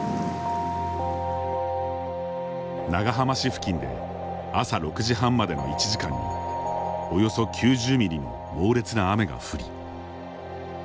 長浜市付近で朝６時半までの１時間におよそ９０ミリの猛烈な雨が降り。